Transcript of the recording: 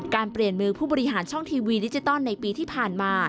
เปลี่ยนมือผู้บริหารช่องทีวีดิจิตอลในปีที่ผ่านมา